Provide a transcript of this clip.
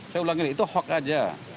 saya ulangi itu hoax aja